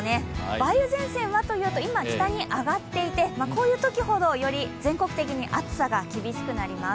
梅雨前線はというと、今、北に上がっていて、こういうときほどより全国的に暑さが厳しくなります